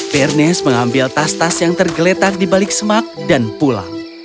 bernest mengambil tas tas yang tergeletak di balik semak dan pulang